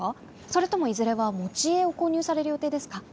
それともいずれは持ち家を購入される予定ですか？